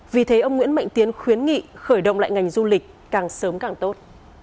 vì thế ông nguyễn mạnh tiến khuyến nghị khởi động lại ngành du lịch càng sớm càng tốt